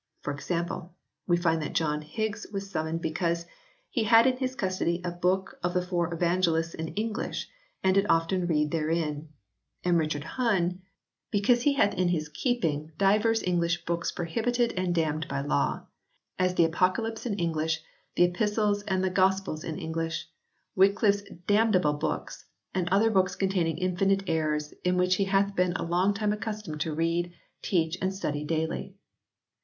For example we find that John Higgs was summoned because " he had in his custody a book of the Four Evangelists in English and did often read therein "; and Richard Hun because "he hath in his keeping 30 HISTORY OF THE ENGLISH BIBLE [CH. divers English books prohibited and damned by law : as the Apocalypse in English, the Epistles and the Gospels in English, Wycliffe s damnable books, and other books containing infinite errors, in which he hath been a long time accustomed to read, teach, and study daily."